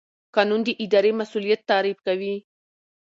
قانون د اداري مسوولیت تعریف کوي.